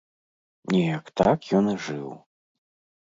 Неяк так ён і жыў.